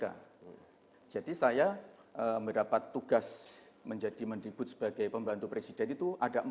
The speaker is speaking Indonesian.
soalnya ya jika saya mendapat tugas menjadi pair dibut sebagai pembantu presiden itu ada barang